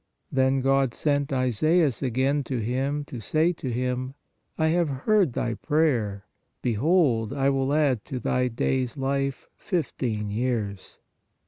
Then God sent Isaias again to him to say to him : I have heard thy prayer: behold I will add to thy days (life) fifteen years."